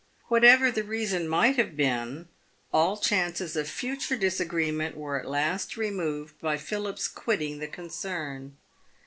"Whatever the reason might have been, all chances of future disagree ment were at last removed by Philip's quitting the concern.